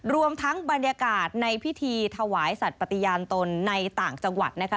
รวมทั้งบรรยากาศในพิธีถวายสัตว์ปฏิญาณตนในต่างจังหวัดนะคะ